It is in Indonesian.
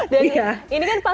dan ini kan pasti